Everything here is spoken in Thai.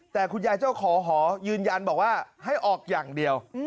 แต่คุณยายเจ้าของหอยืนยันบอกว่าให้ออกอย่างเดียว